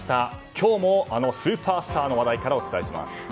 今日も、あのスーパースターの話題からお伝えします。